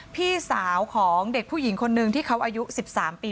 พี่สาวของเด็กผู้หญิงคนนึงที่เขาอายุ๑๓ปี